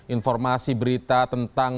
informasi berita tentang